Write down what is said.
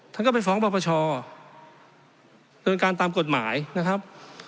ทั้งกันไปฟ้องบรรพชอโดยการตามกฎหมายนะครับ